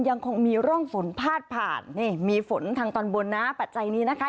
ยังคงมีร่องฝนพาดผ่านนี่มีฝนทางตอนบนนะปัจจัยนี้นะคะ